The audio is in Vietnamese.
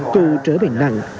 cụ trở bệnh nặng